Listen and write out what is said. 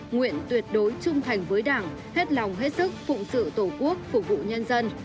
nguyện tuyệt đối trung thành với đảng hết lòng hết sức phụng sự tổ quốc phục vụ nhân dân